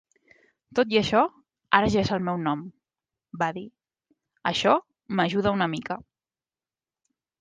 "Tot i això, ara ja sé el meu nom", va dir, "això m'ajuda una mica".